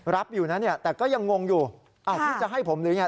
รับอยู่นะเนี่ยแต่ก็ยังงงอยู่อ้าวพี่จะให้ผมหรือไง